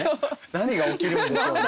何が起きるんでしょうね。